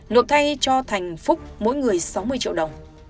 nộp thay cho thành phúc mỗi người sáu mươi triệu đồng